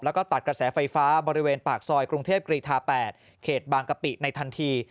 แล้วก็ตัดกระแสไฟฟ้าบริเวณปากซอยกรุงเทพกรีธา๘เขตบางกะปิในทันที